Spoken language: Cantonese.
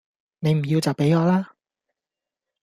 你唔要就畀我啦